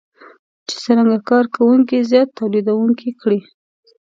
چې څرنګه کار کوونکي زیات توليدونکي کړي.